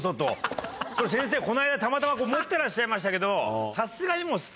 先生この間たまたま持ってらっしゃいましたけど。